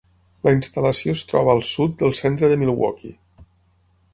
La instal·lació es troba al sud del centre de Milwaukee.